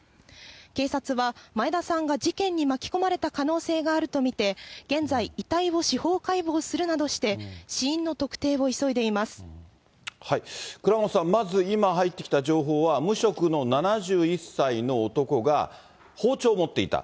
警察は前田さんが事件に巻き込まれた可能性があると見て、現在、遺体を司法解剖するなどして、倉本さん、まず、今入ってきた情報は、無職の７１歳の男が包丁を持っていた。